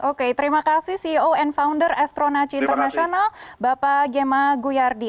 oke terima kasih ceo and founder astronaci international bapak gemma guyardi